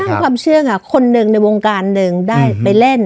ความเชื่อค่ะคนหนึ่งในวงการหนึ่งได้ไปเล่น